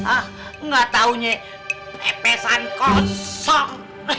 ah nggak taunya epesan kosong